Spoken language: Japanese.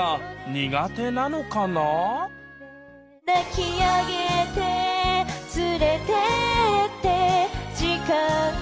「抱きあげてつれてって時間ごと」